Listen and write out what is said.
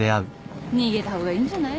逃げた方がいいんじゃない？